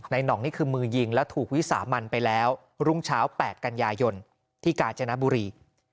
หน่องนี่คือมือยิงและถูกวิสามันไปแล้วรุ่งเช้า๘กันยายนที่กาญจนบุรี